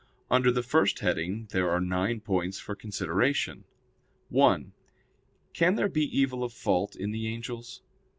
Under the first heading there are nine points for consideration: (1) Can there be evil of fault in the angels?